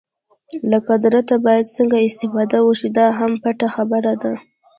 له قدرته باید څنګه استفاده وشي دا هم پټه خبره ده.